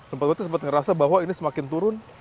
sempat itu sempat ngerasa bahwa ini semakin turun